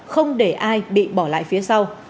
không để ai bị bỏ lại phía sau